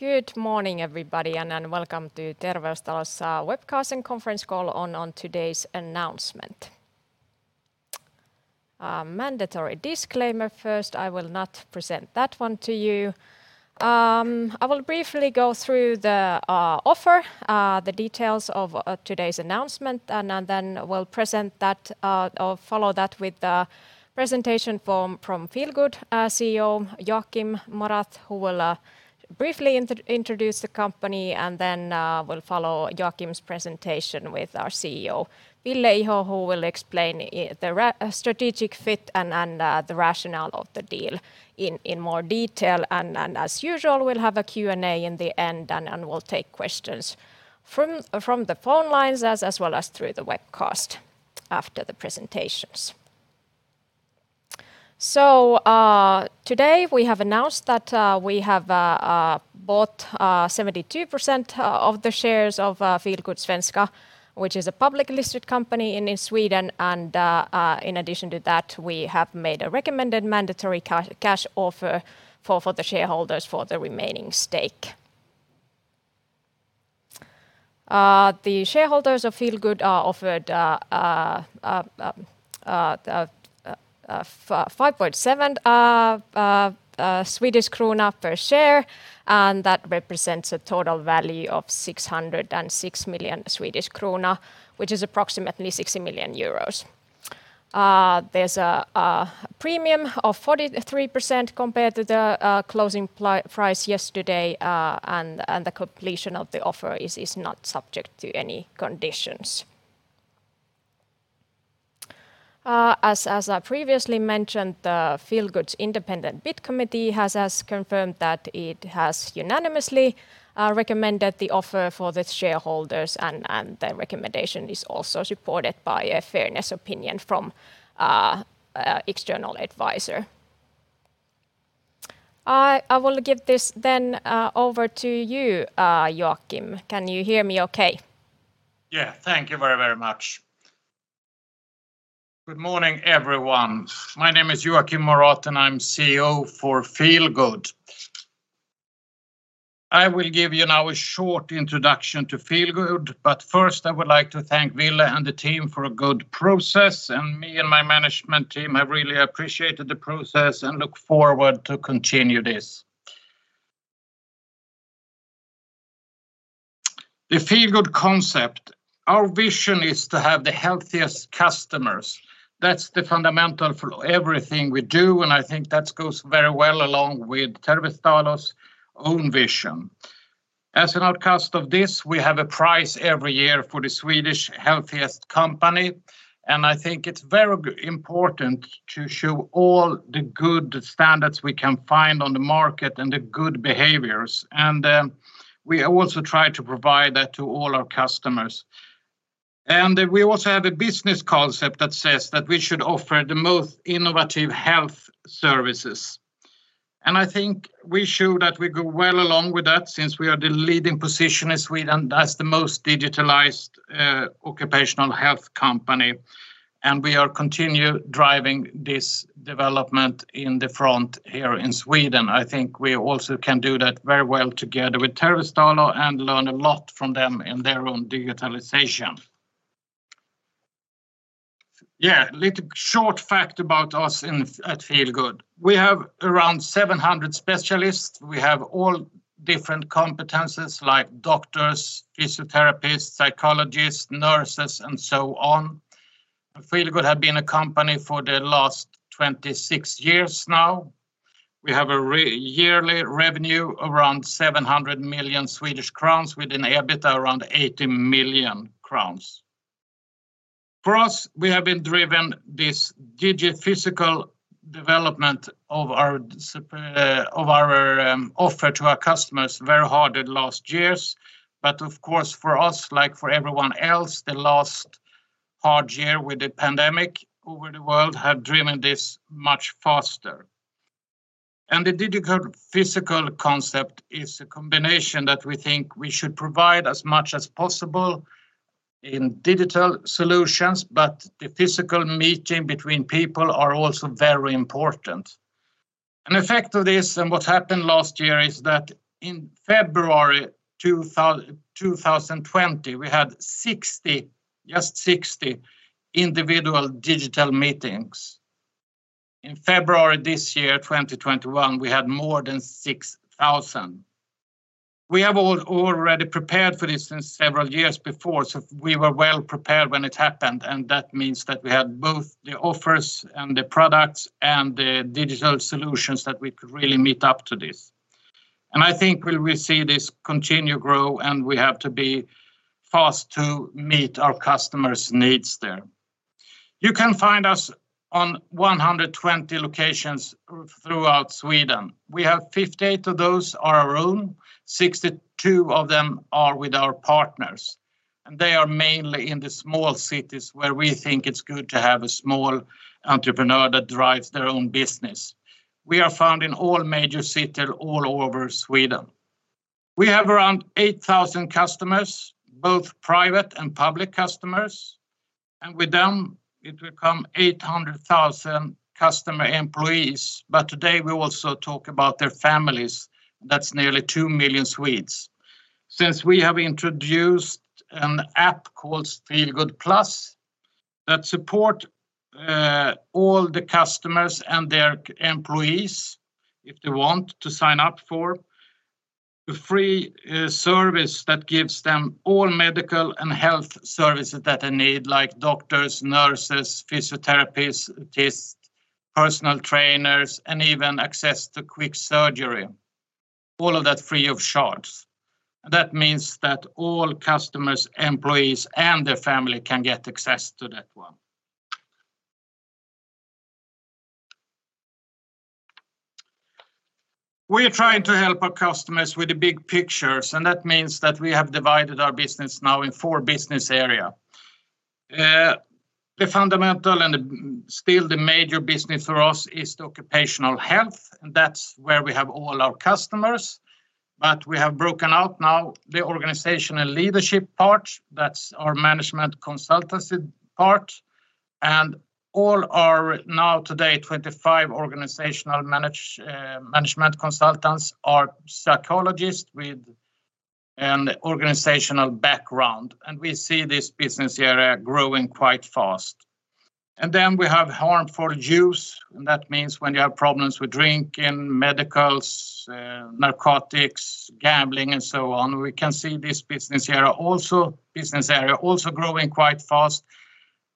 Good morning everybody. Welcome to Terveystalo's webcast and conference call on today's announcement. Mandatory disclaimer first, I will not present that one to you. I will briefly go through the offer, the details of today's announcement. Then I'll follow that with the presentation from Feelgood CEO, Joachim Morath, who will briefly introduce the company. Then we'll follow Joachim's presentation with our CEO, Ville Iho, who will explain the strategic fit and the rationale of the deal in more detail. As usual, we'll have a Q&A in the end. We'll take questions from the phone lines, as well as through the webcast after the presentations. Today we have announced that we have bought 72% of the shares of Feelgood Svenska, which is a publicly listed company in Sweden. In addition to that, we have made a recommended mandatory cash offer for the shareholders for the remaining stake. The shareholders of Feelgood are offered 5.7 Swedish krona per share. That represents a total value of 606 million Swedish krona, which is approximately 60 million euros. There's a premium of 43% compared to the closing price yesterday. The completion of the offer is not subject to any conditions. As I previously mentioned, Feelgood's independent bid committee has confirmed that it has unanimously recommended the offer for the shareholders, and the recommendation is also supported by a fairness opinion from external advisor. I will give this then over to you, Joachim. Can you hear me okay? Yeah. Thank you very much. Good morning, everyone, my name is Joachim Morath, and I'm CEO for Feelgood. I will give you now a short introduction to Feelgood, but first I would like to thank Ville and the team for a good process. Me and my management team have really appreciated the process and look forward to continue this. The Feelgood concept. Our vision is to have the healthiest customers. That's the fundamental for everything we do, and I think that goes very well along with Terveystalo's own vision. As an outcome of this, we have a prize every year for the Sveriges friskaste företag, and I think it's very important to show all the good standards we can find on the market and the good behaviors. We also try to provide that to all our customers. We also have a business concept that says that we should offer the most innovative health services. I think we show that we go well along with that since we are in the leading position in Sweden as the most digitalized occupational health company, and we are continue driving this development in the front here in Sweden. I think we also can do that very well together with Terveystalo and learn a lot from them in their own digitalization. Yeah, short fact about us at Feelgood. We have around 700 specialists. We have all different competencies like doctors, physiotherapists, psychologists, nurses, and so on. Feelgood have been a company for the last 26 years now. We have a yearly revenue around 700 million Swedish crowns with an EBITA around 80 million crowns. For us, we have been driven this digiphysical development of our offer to our customers very hard in the last years. Of course, for us, like for everyone else, the last hard year with the pandemic over the world have driven this much faster. The digiphysical concept is a combination that we think we should provide as much as possible in digital solutions, but the physical meeting between people are also very important. An effect of this and what happened last year is that in February 2020, we had 60, just 60 individual digital meetings. In February this year, 2021, we had more than 6,000. We have already prepared for this since several years before, so we were well prepared when it happened, and that means that we had both the offers and the products and the digital solutions that we could really meet up to this. I think we will see this continue grow, and we have to be fast to meet our customers' needs there. You can find us on 120 locations throughout Sweden. We have 58 of those are our own. 62 of them are with our partners, and they are mainly in the small cities where we think it's good to have a small entrepreneur that drives their own business. We are found in all major cities all over Sweden. We have around 8,000 customers, both private and public customers. With them, it will come 800,000 customer employees, but today we also talk about their families. That's nearly two million Swedes. Since we have introduced an app called Feelgood Plus that support all the customers and their employees, if they want to sign up for the free service that gives them all medical and health services that they need, like doctors, nurses, physiotherapists, personal trainers, and even access to quick surgery, all of that free of charge. That means that all customers, employees, and their family can get access to that one. We are trying to help our customers with the big picture, that means that we have divided our business now in four business areas. The fundamental and still the major business for us is the occupational health, and that's where we have all our customers. We have broken out now the organizational leadership part, that's our management consultancy part. All our now today 25 organizational management consultants are psychologists with an organizational background. We see this business area growing quite fast. Then we have harmful use, and that means when you have problems with drinking, medicals, narcotics, gambling and so on. We can see this business area also growing quite fast,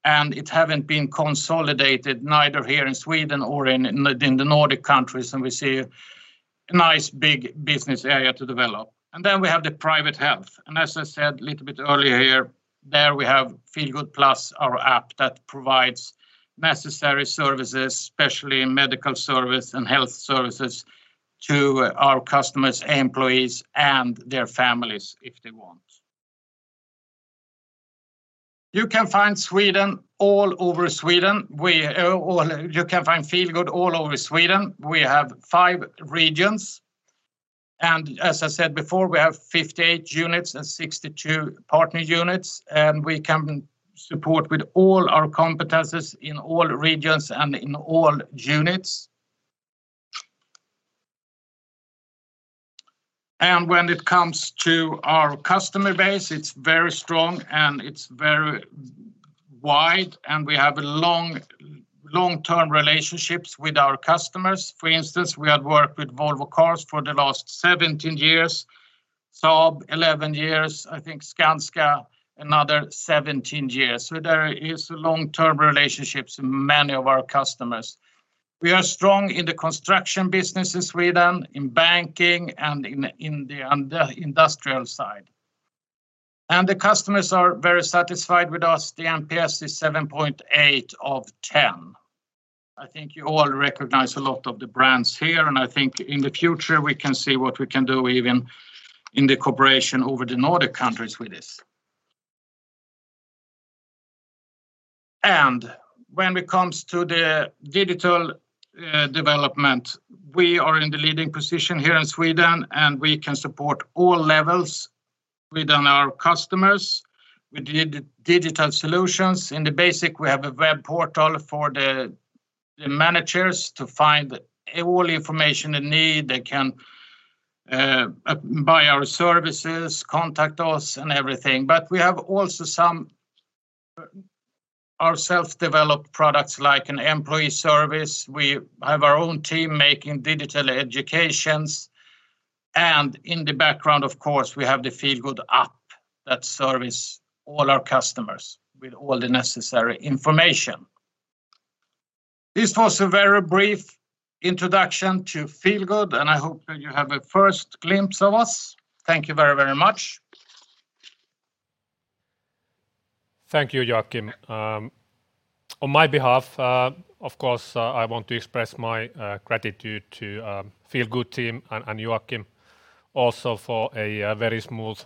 and it haven't been consolidated neither here in Sweden or in the Nordic countries, and we see a nice big business area to develop. Then we have the private health. As I said a little bit earlier here, there we have Feelgood+, our app that provides necessary services, especially medical service and health services to our customers, employees, and their families if they want. You can find Feelgood all over Sweden. We have five regions, and as I said before, we have 58 units and 62 partner units, and we can support with all our competencies in all regions and in all units. When it comes to our customer base, it's very strong and it's very wide, and we have long-term relationships with our customers. For instance, we had worked with Volvo Cars for the last 17 years, Saab 11 years, I think Skanska, another 17 years. There is long-term relationships with many of our customers. We are strong in the construction business in Sweden, in banking, and in the industrial side. The customers are very satisfied with us. The NPS is 7.8 of 10. I think you all recognize a lot of the brands here, and I think in the future we can see what we can do even in the cooperation over the Nordic countries with this. When it comes to the digital development, we are in the leading position here in Sweden, and we can support all levels within our customers with digital solutions. In the basic, we have a web portal for the managers to find all information they need. They can buy our services, contact us, and everything, but we have also some our self-developed products like an employee service. We have our own team making digital educations. In the background, of course, we have the Feelgood app that service all our customers with all the necessary information. This was a very brief introduction to Feelgood, and I hope that you have a first glimpse of us. Thank you very much. Thank you, Joachim. On my behalf, of course I want to express my gratitude to Feelgood team and Joachim also for a very smooth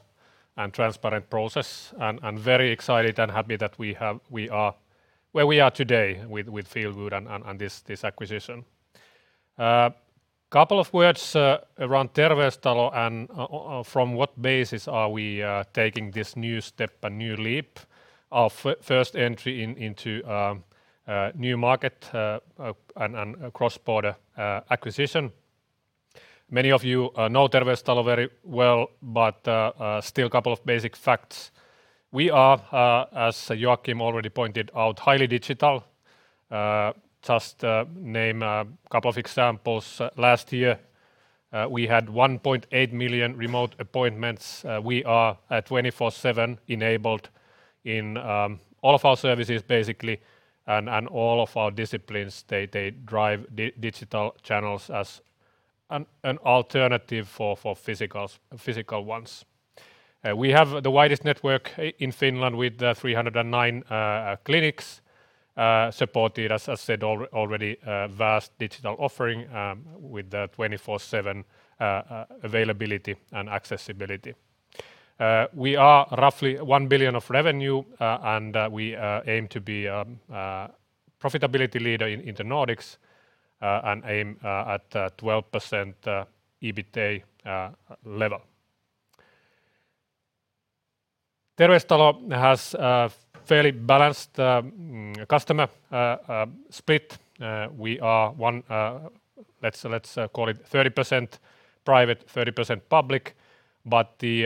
and transparent process, and very excited and happy that we are where we are today with Feelgood on this acquisition. Couple of words around Terveystalo and from what basis are we taking this new step, a new leap, our first entry into new market, and a cross-border acquisition. Many of you know Terveystalo very well, but still couple of basic facts. We are, as Joachim already pointed out, highly digital. Just name a couple of examples. Last year, we had 1.8 million remote appointments. We are a 24/7 enabled in all of our services, basically, and all of our disciplines. They drive digital channels as an alternative for physical ones. We have the widest network in Finland with 309 clinics, supported, as I said already, vast digital offering, with 24/7 availability and accessibility. We are roughly 1 billion of revenue, and we aim to be a profitability leader in the Nordics and aim at 12% EBITDA level. Terveystalo has a fairly balanced customer split. We are, let's call it 30% private, 30% public, but the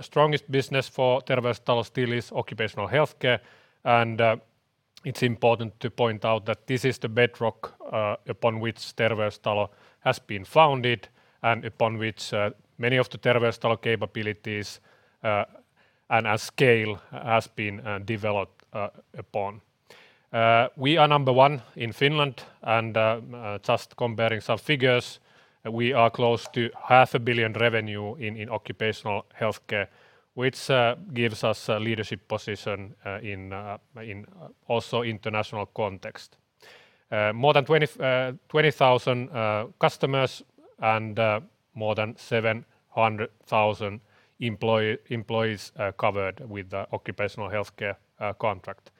strongest business for Terveystalo still is occupational healthcare. It's important to point out that this is the bedrock upon which Terveystalo has been founded and upon which many of the Terveystalo capabilities and scale has been developed upon. We are number one in Finland, and just comparing some figures, we are close to half a billion revenue in occupational healthcare, which gives us a leadership position in also international context. More than 20,000 customers and more than 700,000 employees covered with the occupational healthcare contract.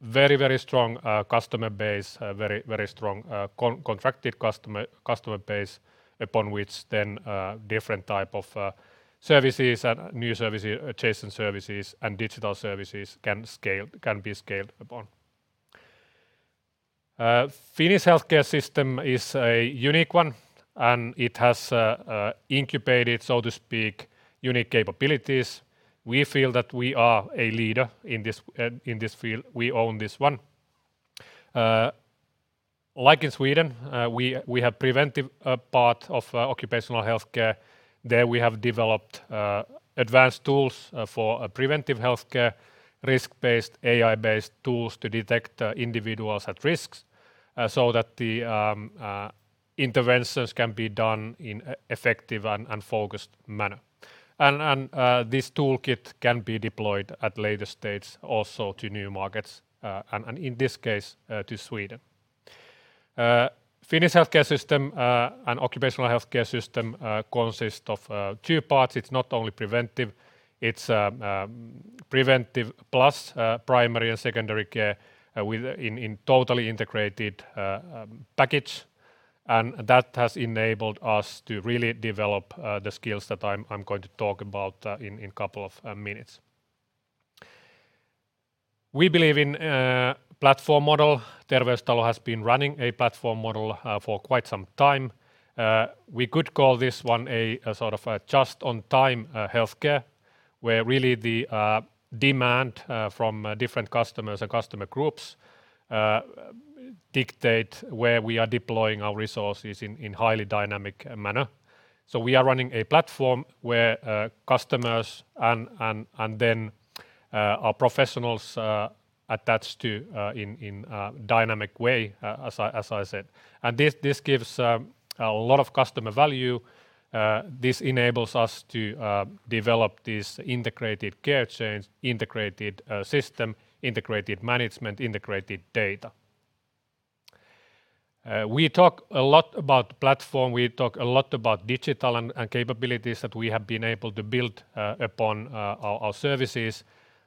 A very strong contracted customer base upon which then different type of services and new services, adjacent services, and digital services can be scaled upon. Finnish healthcare system is a unique one, and it has incubated, so to speak, unique capabilities. We feel that we are a leader in this field. We own this one. Like in Sweden, we have preventive part of occupational healthcare. There we have developed advanced tools for preventive healthcare, risk-based, AI-based tools to detect individuals at risks, so that the interventions can be done in effective and focused manner. This toolkit can be deployed at later stage also to new markets, and in this case, to Sweden. Finnish healthcare system and occupational healthcare system consists of two parts. It's not only preventive, it's preventive plus primary and secondary care in totally integrated package. That has enabled us to really develop the skills that I'm going to talk about in a couple of minutes. We believe in platform model. Terveystalo has been running a platform model for quite some time. We could call this one a sort of a just-on-time healthcare, where really the demand from different customers and customer groups dictate where we are deploying our resources in highly dynamic manner. We are running a platform where customers and then our professionals attach to in a dynamic way, as I said. This gives a lot of customer value. This enables us to develop this integrated care chains, integrated system, integrated management, integrated data. We talk a lot about platform. We talk a lot about digital and capabilities that we have been able to build upon our services.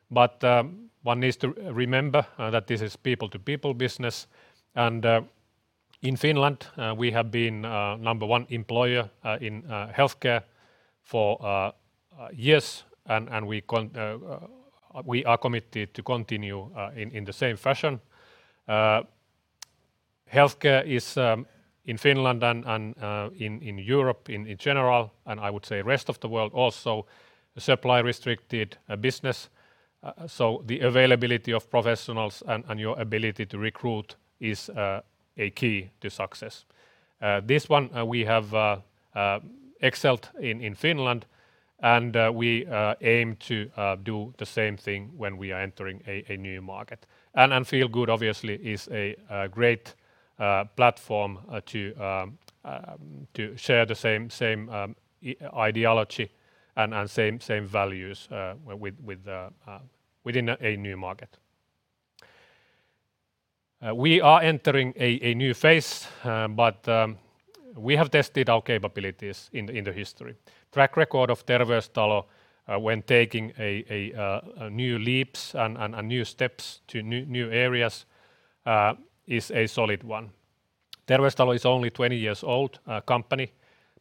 One needs to remember that this is people-to-people business. In Finland, we have been number one employer in healthcare for years, and we are committed to continue in the same fashion. Healthcare is, in Finland and in Europe in general, I would say rest of the world also, a supply-restricted business. The availability of professionals and your ability to recruit is a key to success. This one we have excelled in in Finland. We aim to do the same thing when we are entering a new market. Feelgood obviously is a great platform to share the same ideology and same values within a new market. We are entering a new phase. We have tested our capabilities in the history. Track record of Terveystalo when taking new leaps and new steps to new areas is a solid one. Terveystalo is only a 20 years old company,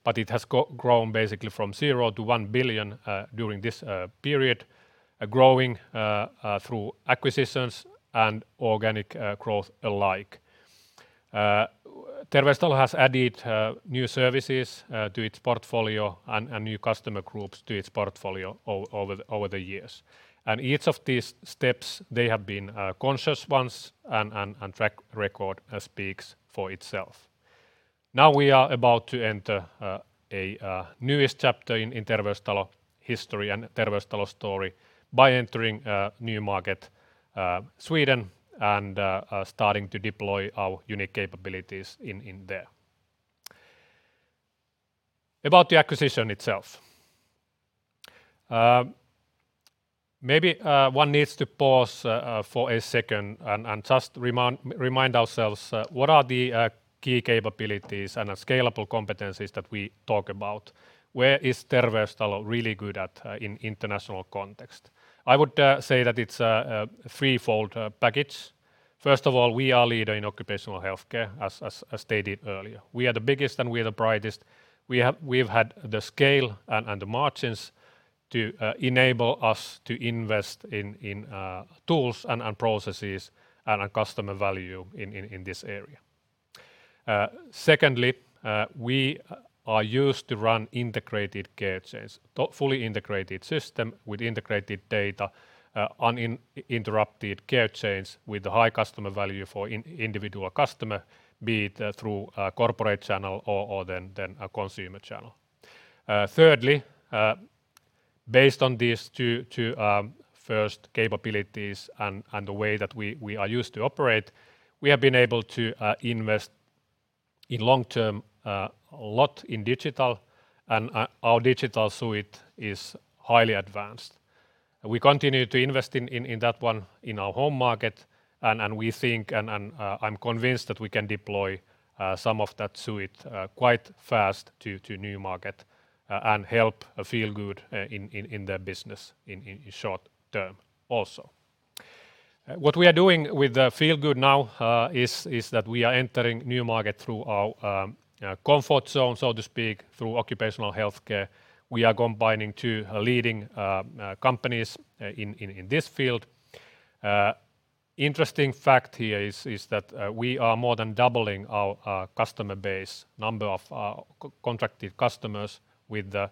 but it has grown basically from zero to 1 billion during this period, growing through acquisitions and organic growth alike. Terveystalo has added new services to its portfolio and new customer groups to its portfolio over the years. Each of these steps, they have been conscious ones, and track record speaks for itself. Now we are about to enter a newest chapter in Terveystalo history and Terveystalo story by entering a new market, Sweden, and starting to deploy our unique capabilities in there. About the acquisition itself. Maybe one needs to pause for a second and just remind ourselves what are the key capabilities and scalable competencies that we talk about. Where is Terveystalo really good at in international context? I would say that it's a threefold package. First of all, we are leader in occupational health care, as stated earlier. We are the biggest, and we are the brightest. We've had the scale and the margins to enable us to invest in tools and processes and customer value in this area. Secondly, we are used to run integrated care chains, fully integrated system with integrated data, uninterrupted care chains with high customer value for individual customer, be it through a corporate channel or then a consumer channel. Thirdly, based on these two first capabilities and the way that we are used to operate, we have been able to invest in long-term a lot in digital. Our digital suite is highly advanced. We continue to invest in that one in our home market. We think, and I'm convinced that we can deploy some of that suite quite fast to new market and help Feelgood in their business in short term also. What we are doing with Feelgood now is that we are entering new market through our comfort zone, so to speak, through occupational health care. We are combining two leading companies in this field. Interesting fact here is that we are more than doubling our customer base, number of contracted customers, with the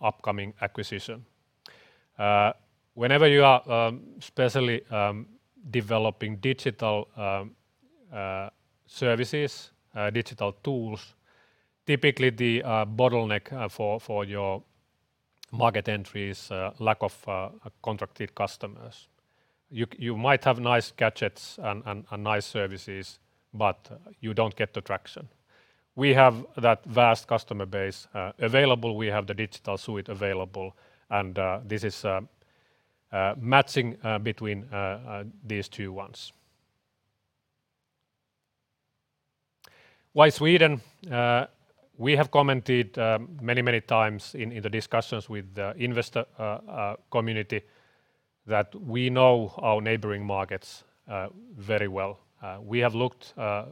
upcoming acquisition. Whenever you are especially developing digital services, digital tools, typically the bottleneck for your market entry is lack of contracted customers. You don't get the traction. We have that vast customer base available. This is matching between these two ones. Why Sweden? We have commented many, many times in the discussions with the investor community that we know our neighboring markets very well. We have looked at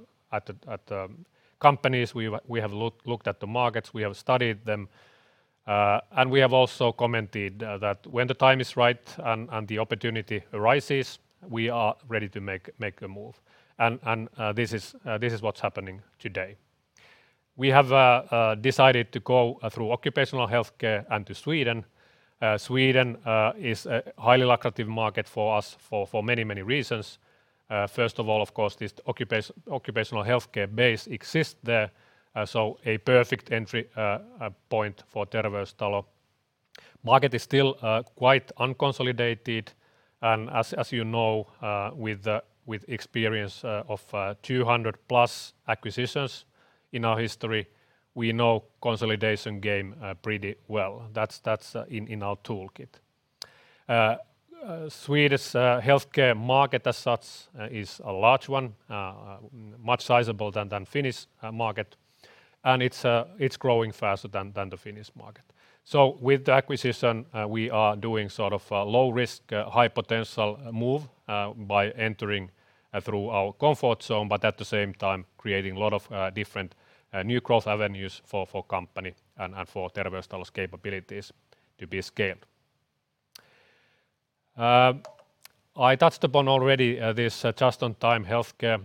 companies, we have looked at the markets, we have studied them. We have also commented that when the time is right and the opportunity arises, we are ready to make a move, and this is what's happening today. We have decided to go through occupational health care and to Sweden. Sweden is a highly lucrative market for us for many reasons. First of all of course, this occupational health care base exists there, so a perfect entry point for Terveystalo. Market is still quite unconsolidated, and as you know, with experience of 200 plus acquisitions in our history, we know consolidation game pretty well. That's in our toolkit. Swedish health care market as such is a large one, much sizable than Finnish market, and it's growing faster than the Finnish market. With the acquisition, we are doing sort of a low risk, high potential move by entering through our comfort zone, but at the same time creating a lot of different new growth avenues for company and for Terveystalo's capabilities to be scaled. I touched upon already this just-in-time health care.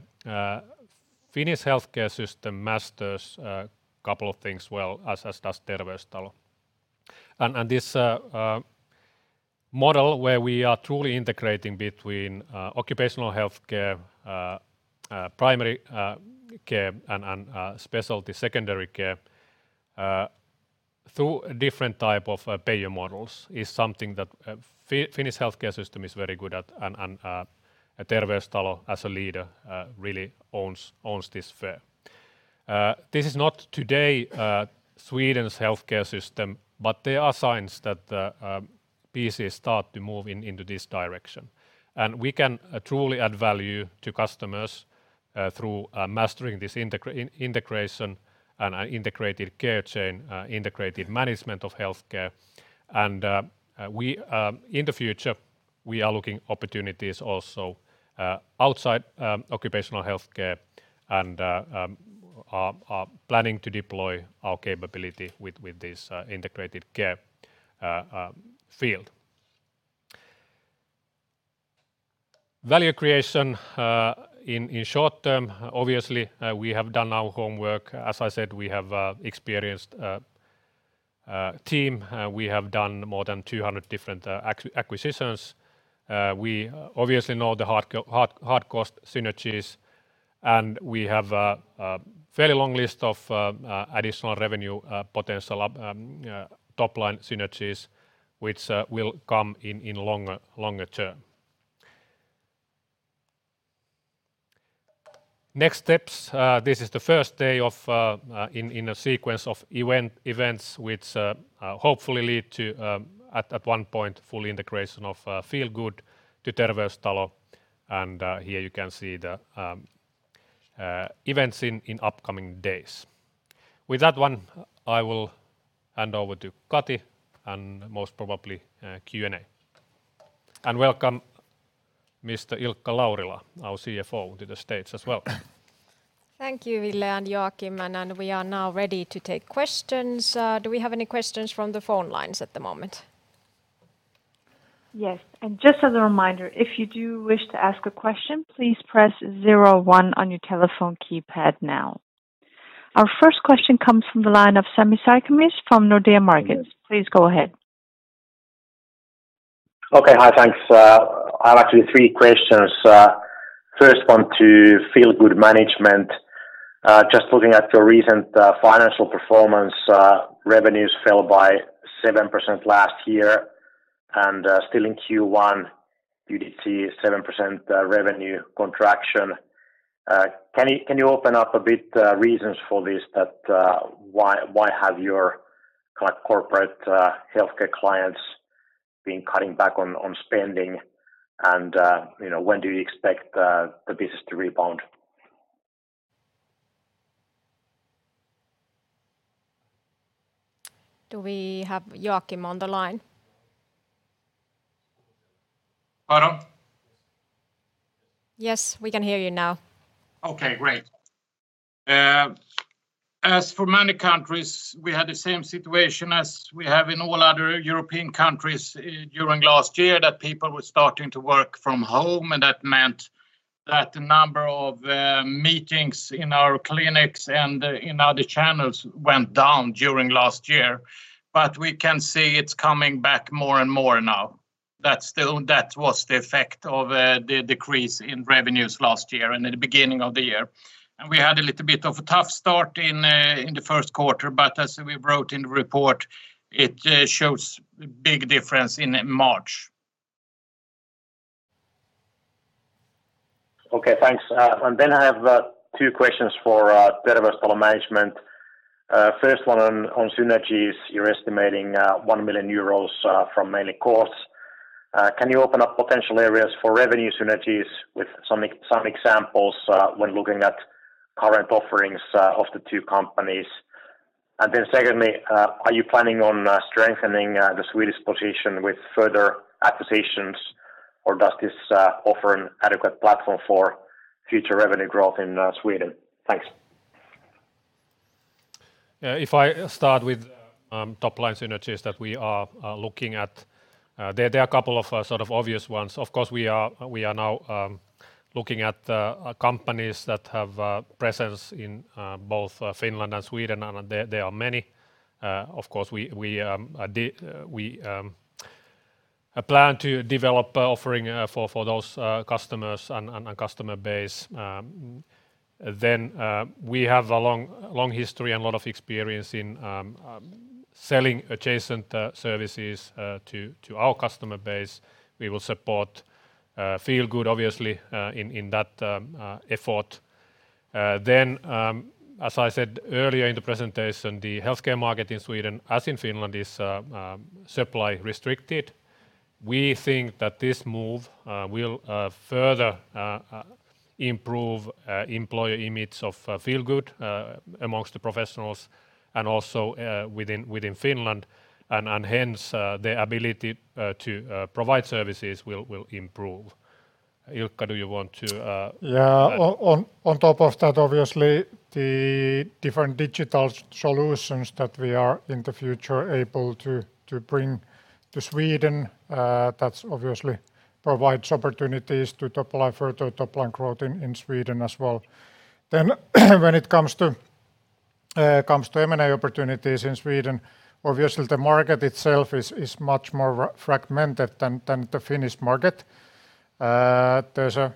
Finnish health care system masters a couple of things well, as does Terveystalo. This model where we are truly integrating between occupational health care, primary care, and specialty secondary care through different type of payer models is something that Finnish health care system is very good at, and Terveystalo as a leader really owns this sphere. This is not today Sweden's health care system, but there are signs that pieces start to move into this direction. We can truly add value to customers through mastering this integration and integrated care chain, integrated management of health care. In the future, we are looking opportunities also outside occupational health care and are planning to deploy our capability with this integrated care field. Value creation in short term, obviously, we have done our homework. As I said, we have experienced team, we have done more than 200 different acquisitions. We obviously know the hard cost synergies, and we have a fairly long list of additional revenue potential top-line synergies, which will come in longer term. Next steps. This is the first day in a sequence of events which hopefully lead to, at one point, full integration of Feelgood to Terveystalo, and here you can see the events in upcoming days. With that one, I will hand over to Kati and most probably Q&A. Welcome, Mr. Ilkka Laurila, our CFO, to the stage as well. Thank you, Ville and Joachim. We are now ready to take questions. Do we have any questions from the phone lines at the moment? Yes. Just as a reminder, if you do wish to ask a question, please press zero, one on your telephone keypad now. Our first question comes from the line of Sami Sarkamies from Nordea Markets. Please go ahead. Okay. Hi, thanks. I have actually three questions. First one to Feelgood management. Just looking at your recent financial performance, revenues fell by 7% last year and still in Q1 you did see 7% revenue contraction. Can you open up a bit the reasons for this? Why have your corporate healthcare clients been cutting back on spending and when do you expect the business to rebound? Do we have Joachim on the line? Hello? Yes, we can hear you now. Okay, great. As for many countries, we had the same situation as we have in all other European countries during last year, that people were starting to work from home, and that meant that the number of meetings in our clinics and in other channels went down during last year. We can see it's coming back more and more now. That was the effect of the decrease in revenues last year and in the beginning of the year. We had a little bit of a tough start in the first quarter, as we wrote in the report, it shows a big difference in March. Okay, thanks. I have two questions for Terveystalo management. First one on synergies. You're estimating 1 million euros from mainly costs, can you open up potential areas for revenue synergies with some examples when looking at current offerings of the two companies? Secondly, are you planning on strengthening the Swedish position with further acquisitions, or does this offer an adequate platform for future revenue growth in Sweden? Thanks. If I start with top-line synergies that we are looking at, there are a couple of obvious ones. We are now looking at companies that have a presence in both Finland and Sweden, and there are many. We plan to develop offering for those customers and customer base. We have a long history and a lot of experience in selling adjacent services to our customer base. We will support Feelgood, obviously, in that effort. As I said earlier in the presentation, the healthcare market in Sweden, as in Finland, is supply restricted. We think that this move will further improve employer image of Feelgood amongst the professionals and also within Finland, and hence, the ability to provide services will improve. Ilkka, do you want to elaborate? On top of that, obviously, the different digital solutions that we are in the future able to bring to Sweden, that obviously provides opportunities to apply further top-line growth in Sweden as well. When it comes to M&A opportunities in Sweden, obviously the market itself is much more fragmented than the Finnish market. There's a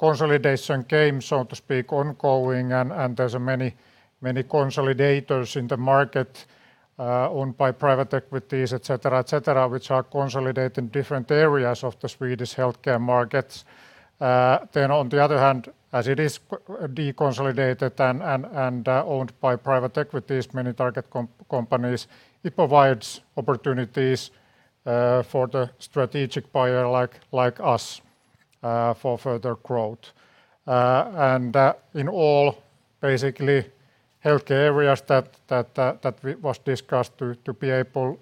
consolidation game, so to speak, ongoing, and there's many consolidators in the market owned by private equities, et cetera, which are consolidating different areas of the Swedish healthcare markets. On the other hand, as it is deconsolidated and owned by private equities, many target companies, it provides opportunities for the strategic buyer like us for further growth. In all, basically, healthcare areas that was discussed to be able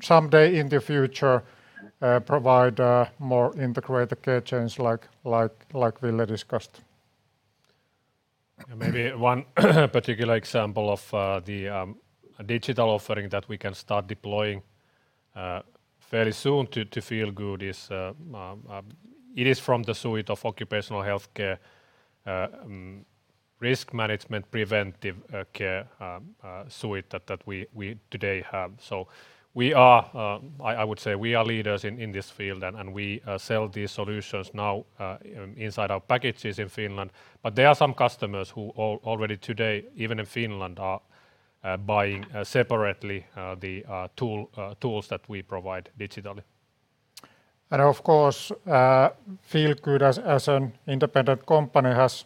someday in the future provide more integrated care chains like Ville discussed. Maybe one particular example of the digital offering that we can start deploying fairly soon to Feelgood is from the suite of occupational healthcare risk management preventive care suite that we today have. I would say we are leaders in this field, and we sell these solutions now inside our packages in Finland. There are some customers who already today, even in Finland, are buying separately the tools that we provide digitally. Of course, Feelgood as an independent company has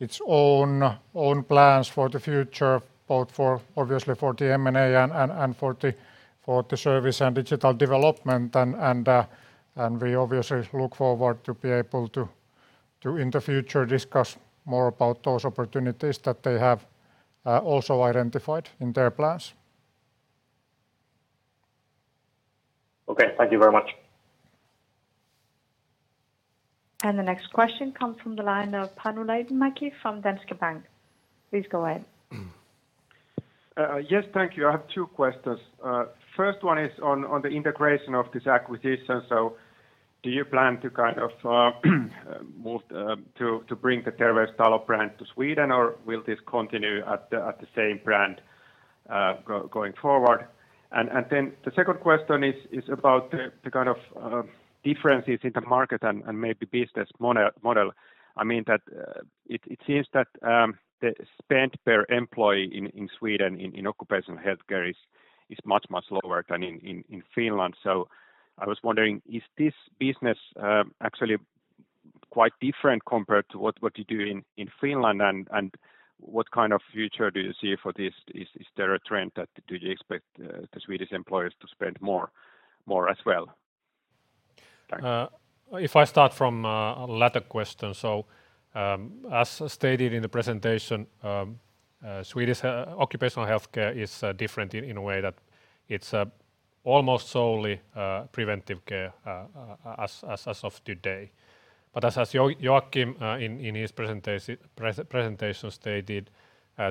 its own plans for the future, both obviously for the M&A and for the service and digital development. We obviously look forward to be able to, in the future, discuss more about those opportunities that they have also identified in their plans. Okay. Thank you very much. The next question comes from the line of Panu Laitinmäki from Danske Bank. Please go ahead. Yes, thank you. I have two questions. First one is on the integration of this acquisition. Do you plan to bring the Terveystalo brand to Sweden, or will this continue at the same brand going forward? The second question is about the kind of differences in the market and maybe business model. It seems that the spend per employee in Sweden in occupational health care is much, much lower than in Finland. I was wondering, is this business actually quite different compared to what you do in Finland, and what kind of future do you see for this? Is there a trend that you expect the Swedish employers to spend more as well? Thanks. If I start from the latter question. As stated in the presentation, Swedish occupational health care is different in a way that it's almost solely preventive care as of today. As Joachim in his presentation stated,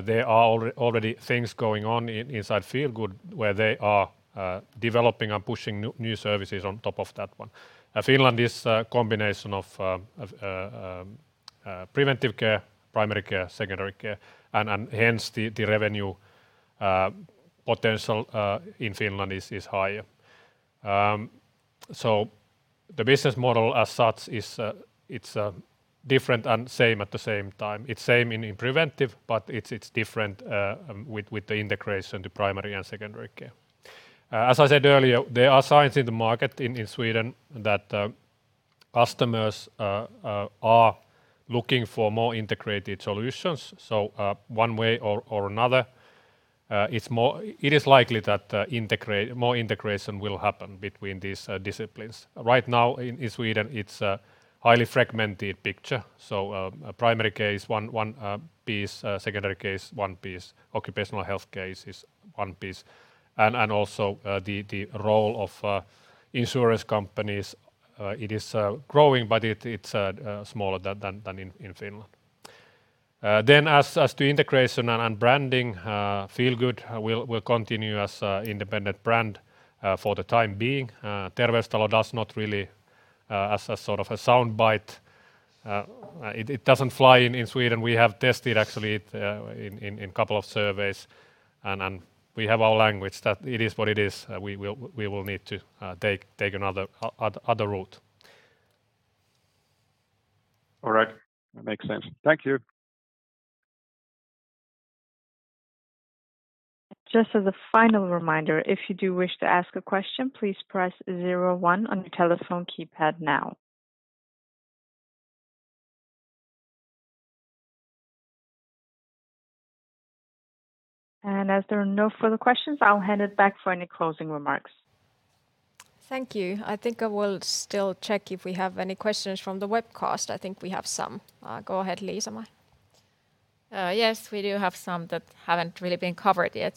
there are already things going on inside Feelgood where they are developing and pushing new services on top of that one. In Finland, it's a combination of preventive care, primary care, secondary care, and hence the revenue potential in Finland is higher. The business model as such is different and the same at the same time. It's same in preventive, but it's different with the integration to primary and secondary care. As I said earlier, there are signs in the market in Sweden that customers are looking for more integrated solutions. One way or another, it is likely that more integration will happen between these disciplines. Right now in Sweden, it's a highly fragmented picture. Primary care is one piece, secondary care is one piece, occupational health care is one piece. The role of insurance companies, it is growing, but it's smaller than in Finland. As to integration and branding, Feelgood will continue as an independent brand for the time being. Terveystalo does not really as a sort of a soundbite, it doesn't fly in Sweden. We have tested actually in a couple of surveys, and we have our language that it is what it is. We will need to take another route. All right. That makes sense. Thank you. Just as a final reminder, if you do wish to ask a question, please press zero, one on your telephone keypad now. If there are no further questions, I'll hand it back for any closing remarks. Thank you. I think I will still check if we have any questions from the webcast. I think we have some. Go ahead, Liisa. Yes, we do have some that haven't really been covered yet.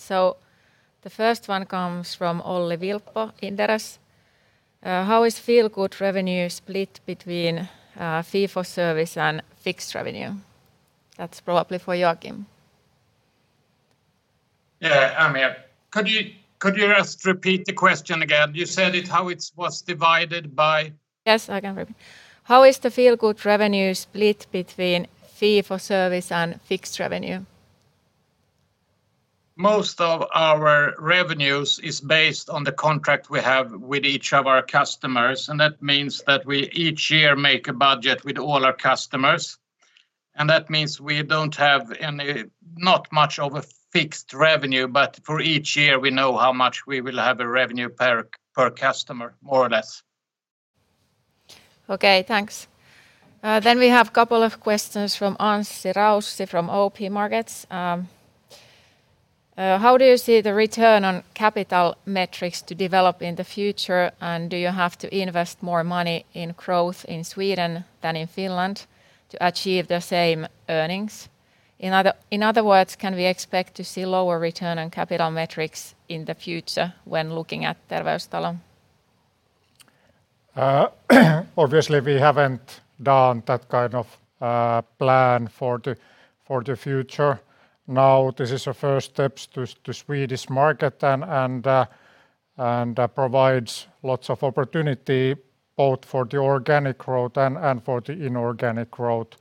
The first one comes from Olli Vilppo, Inderes. How is Feelgood revenue split between fee for service and fixed revenue? That's probably for Joachim. I'm here. Could you just repeat the question again? You said it how it was divided by? Yes, I can repeat. How is the Feelgood revenue split between fee for service and fixed revenue? Most of our revenues is based on the contract we have with each of our customers, and that means that we each year make a budget with all our customers. That means we don't have not much of a fixed revenue, but for each year, we know how much we will have a revenue per customer, more or less. Okay, thanks. We have a couple of questions from Anssi Rauste from OP Markets. How do you see the return on capital metrics to develop in the future? Do you have to invest more money in growth in Sweden than in Finland to achieve the same earnings? In other words, can we expect to see lower return on capital metrics in the future when looking at Terveystalo? Obviously, we haven't done that kind of plan for the future. This is the first steps to Swedish market and provides lots of opportunity both for the organic growth and for the inorganic growth.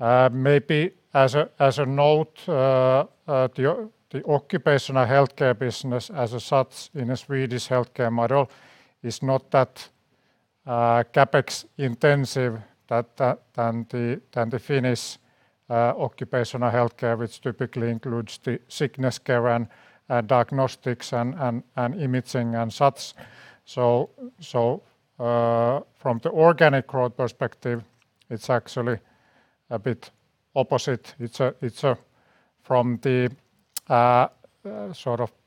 Maybe as a note, the occupational healthcare business as such in the Swedish healthcare model is not that CapEx intensive than the Finnish occupational healthcare, which typically includes the sickness care and diagnostics and imaging and such. From the organic growth perspective, it's actually a bit opposite. From the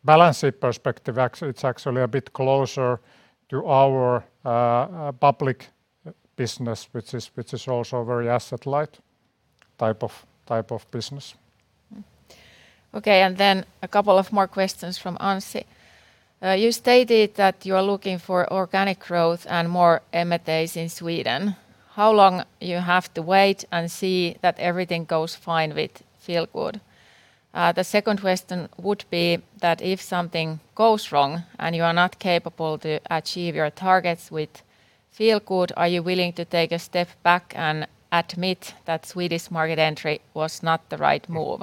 balance sheet perspective, it's actually a bit closer to our public business, which is also a very asset-light type of business. Okay. Then a couple of more questions from Anssi Rauste. You stated that you're looking for organic growth and more M&As in Sweden. How long you have to wait and see that everything goes fine with Feelgood? The second question would be that if something goes wrong and you are not capable to achieve your targets with Feelgood, are you willing to take a step back and admit that Swedish market entry was not the right move?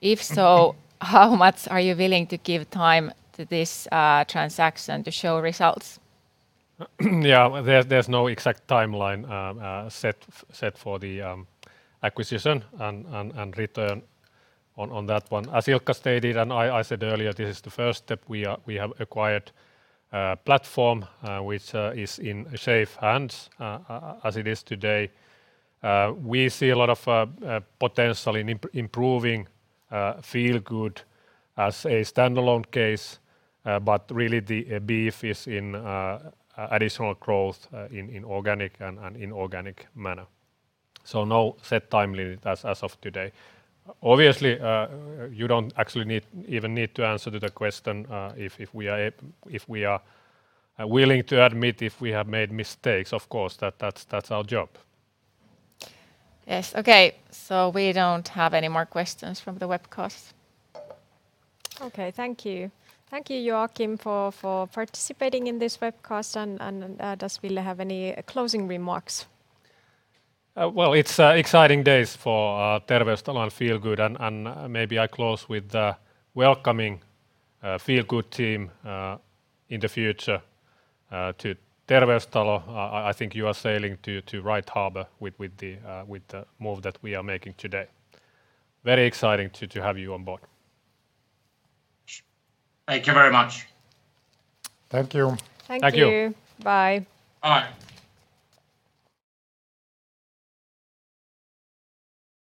If so, how much are you willing to give time to this transaction to show results? There's no exact timeline set for the acquisition and return on that one. As Ilkka stated and I said earlier, this is the first step. We have acquired a platform which is in safe hands as it is today. We see a lot of potential in improving Feelgood as a standalone case, but really the beef is in additional growth in organic and inorganic manner. No set timeline as of today. Obviously, you don't actually even need to answer to the question if we are willing to admit if we have made mistakes. Of course, that's our job. Yes. Okay. We don't have any more questions from the webcast. Okay. Thank you. Thank you, Joachim, for participating in this webcast. Does Ville have any closing remarks? Well, it's exciting days for Terveystalo and Feelgood. Maybe I close with welcoming Feelgood team in the future to Terveystalo. I think you are sailing to right harbor with the move that we are making today. Very exciting to have you on board. Thank you very much. Thank you. Thank you. Bye. Bye.